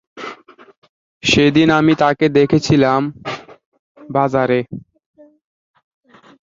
তাসত্ত্বেও, এরপর আর তাকে ইংল্যান্ডের পক্ষে খেলতে দেখা যায়নি।